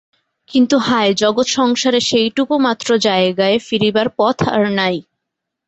কিন্তু হায়, জগৎসংসারে সেইটুকুমাত্র জায়গায় ফিরিবার পথ আর নাই।